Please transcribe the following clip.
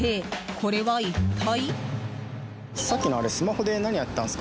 これは一体？